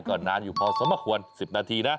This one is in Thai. ก็นานอยู่พอสมควร๑๐นาทีนะ